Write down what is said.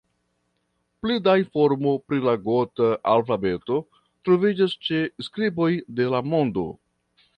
Pli da informo pri la gota alfabeto troviĝas ĉe Skriboj de la Mondo.